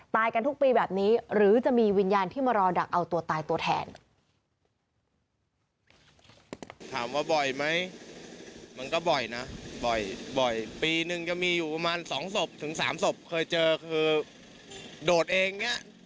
กันทุกปีแบบนี้หรือจะมีวิญญาณที่มารอดักเอาตัวตายตัวแทน